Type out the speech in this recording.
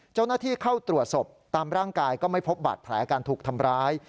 เจ้าหน้าที่เข้าตรวจศพตามร่างกายก็ไม่พบบาดแผลการถูกทำร้าย